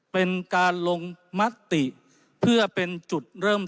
เป็นการลงมติเพื่อเป็นจุดเริ่ม